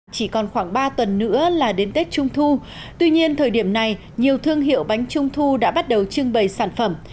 chỉ còn khoảng ba tuần nữa là đến tết trung thu tuy nhiên thời điểm này nhiều thương hiệu bánh trung thu đã bắt đầu trưng bày sản phẩm